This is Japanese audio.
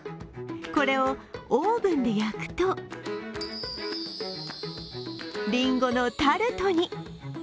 これをオーブンで焼くとりんごのタルトに。